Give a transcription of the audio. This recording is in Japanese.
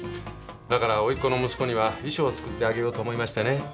だから甥っ子の息子には衣装を作ってあげようと思いましてね。